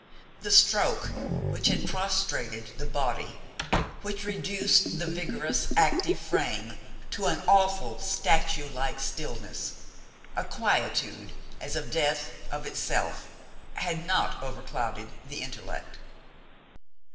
The stroke which had prostrated the body, which reduced the vigorous, active frame to an awful statue like stillness a quietude as of death of itself had not overclouded the intellect.